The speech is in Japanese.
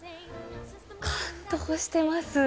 感動してます。